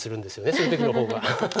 そういう時の方が。